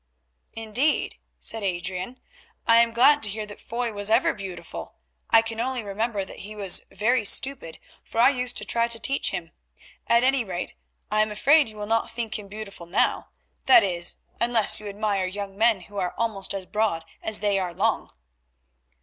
"Indeed," said Adrian, "I am glad to hear that Foy was ever beautiful. I can only remember that he was very stupid, for I used to try to teach him. At any rate, I am afraid you will not think him beautiful now—that is, unless you admire young men who are almost as broad as they are long."